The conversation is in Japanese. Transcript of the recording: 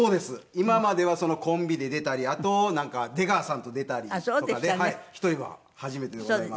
今まではコンビで出たりあとなんか出川さんと出たりとかで１人は初めてでございます。